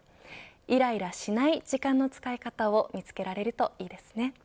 イライラしない時間の使い方を見つけられるといいですね。